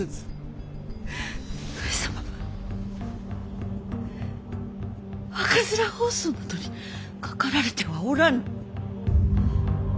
上様は赤面疱瘡などかかられてはおらぬ。